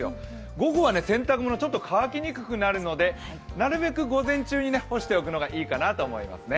午後は洗濯物、ちょっと乾きにくくなるのでなるべく午前中に干しておくのがいいかなと思いますね。